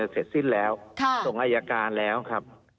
เสร็จสิ้นแล้วส่งอายการแล้วครับ